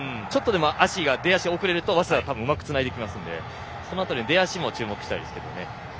ちょっとでも出足が遅れると早稲田がうまくつないでくるのでその辺りの出足に注目したいです。